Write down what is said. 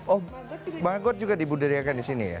oh magot juga dibudiriakan di sini ya